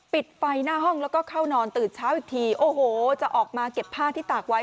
ปิดไฟหน้าห้องแล้วก็เข้านอนตื่นเช้าอีกทีโอ้โหจะออกมาเก็บผ้าที่ตากไว้